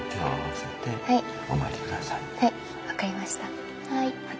はい。